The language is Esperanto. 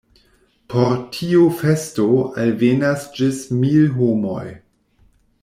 Por tiu festo alvenas ĝis mil homoj.